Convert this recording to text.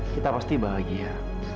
kita pasti bahagia